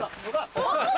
お！